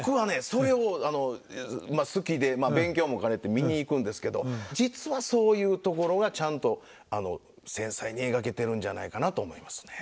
それを好きでまあ勉強も兼ねて見に行くんですけど実はそういうところがちゃんと繊細に描けてるんじゃないかなと思いますね。